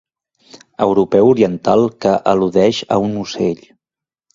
Europeu oriental que al·ludeix a un ocell.